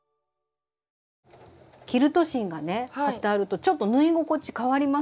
キルト芯がね貼ってあるとちょっと縫い心地かわりますよね。